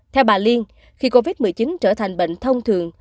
theo bà liên khi covid một mươi chín trở thành bệnh thông thường